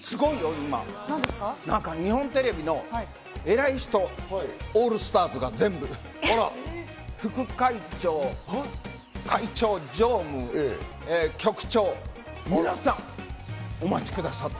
今、日本テレビの偉い人、オールスターズが全部、副会長、会長、常務、局長、皆さん、お待ちくださって。